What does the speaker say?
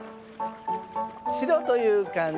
白というかんじ